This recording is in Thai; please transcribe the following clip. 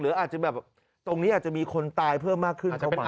อาจจะแบบตรงนี้อาจจะมีคนตายเพิ่มมากขึ้นเข้ามา